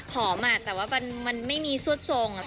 แต่ว่ามันไม่มีซวดทรง